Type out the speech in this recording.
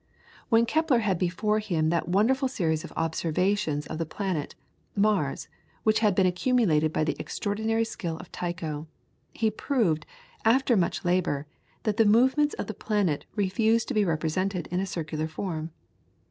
When Kepler had before him that wonderful series of observations of the planet, Mars, which had been accumulated by the extraordinary skill of Tycho, he proved, after much labour, that the movements of the planet refused to be represented in a circular form.